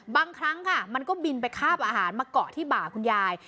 บางครั้งค่ะมันก็บินไปคาบอาหารมาเกาะที่บ่าคุณยาย